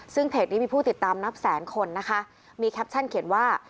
ซึ่งเพจนี้มีผู้ติดตามนับแสนคนนะคะมีแคปชั่นเขียนว่า